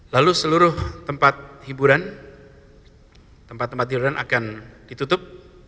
lalu seluruh tempat hiburan tempat tempat hiburan akan ditutup